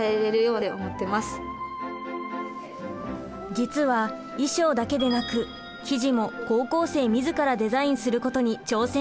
実は衣装だけでなく生地も高校生自らデザインすることに挑戦しています。